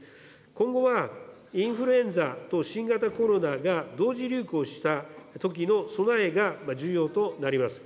今後はインフルエンザと新型コロナが同時流行したときの備えが重要となります。